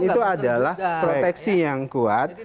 itu adalah proteksi yang kuat